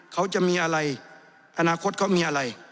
เขาจะมีอะไรอนาคตเขามีอะไร